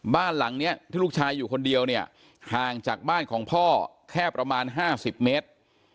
บ้านหลังนี้ที่ลูกชายอยู่คนเดียวเนี่ยห่างจากบ้านของพ่อแค่ประมาณ๕๐เมตร